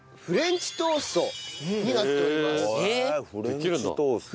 フレンチトースト。